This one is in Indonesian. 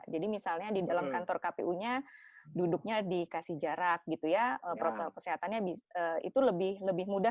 jadi misalnya di dalam kantor kpu nya duduknya dikasih jarak gitu ya protokol kesehatannya itu lebih mudah